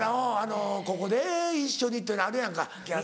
ここでいっしょにっていうのあるやんか。